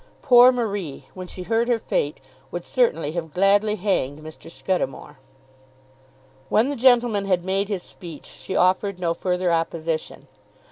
Poor Marie, when she heard her fate, would certainly have gladly hanged Mr. Scudamore. When the gentleman had made his speech, she offered no further opposition.